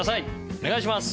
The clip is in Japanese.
お願いします。